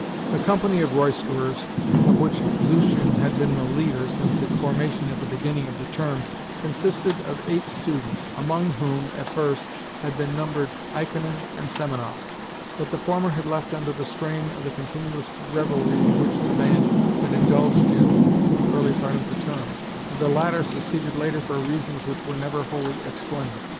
The company of roisterers of which Zuchin had been the leader since its formation at the beginning of the term consisted of eight students, among whom, at first, had been numbered Ikonin and Semenoff; but the former had left under the strain of the continuous revelry in which the band had indulged in the early part of the term, and the latter seceded later for reasons which were never wholly explained.